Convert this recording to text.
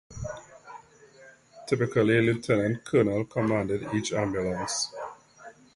Typically a Lieutenant Colonel commanded each ambulance.